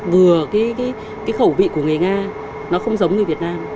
vừa cái khẩu vị của người nga nó không giống người việt nam